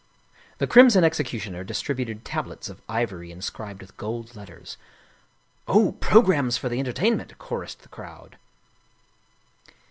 The crimson executioner distributed tablets of ivory in scribed with gold letters. " Oh, programmes for the entertainment !" chorused the crowd.